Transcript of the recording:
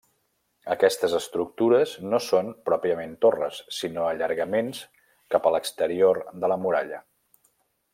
Aquestes estructures no són pròpiament torres sinó allargaments cap a l'exterior de la muralla.